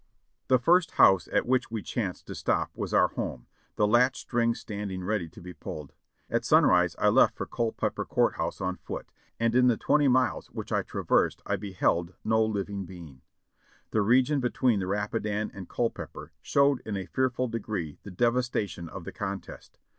The first house at which we chanced to stop was our home, the latch string standing ready to be pulled. At sunrise I left for Culpeper Court House on foot, and in the twenty miles which I traversed I beheld no living being. The region between the Rapidan and Culpeper showed in a fearful degree the devastation of the contest.